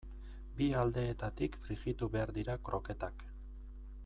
Bi aldeetatik frijitu behar dira kroketak.